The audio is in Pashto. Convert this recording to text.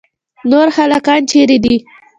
نور هلکان چیرې دي.